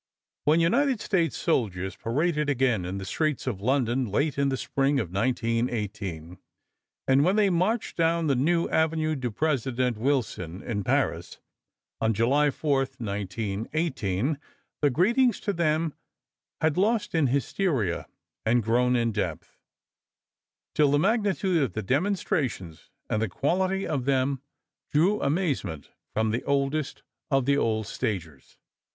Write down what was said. When United States soldiers paraded again in the streets of London, late in the spring of 1918, and when they marched down the new Avenue du Président Wilson in Paris, on July 4, 1918, the greetings to them had lost in hysteria and grown in depth, till the magnitude of the demonstrations and the quality of them drew amazement from the oldest of the old stagers.